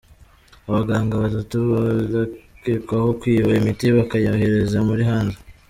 Abaganga ba tatu barakekwaho kwiba imiti bakayohereza muri hanze